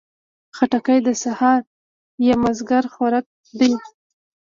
خټکی د سهار یا مازدیګر خوراک ده.